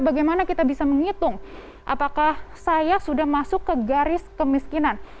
bagaimana kita bisa menghitung apakah saya sudah masuk ke garis kemiskinan